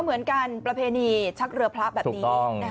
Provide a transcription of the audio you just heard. ก็เหมือนกันประเพณีชักเรือพระแบบนี้ถูกต้อง